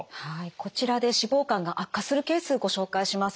こちらで脂肪肝が悪化するケースご紹介します。